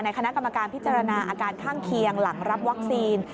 คณะกรรมการพิจารณาอาการข้างเคียงหลังรับวัคซีน